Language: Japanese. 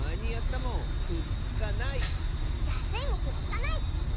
じゃあスイもくっつかない！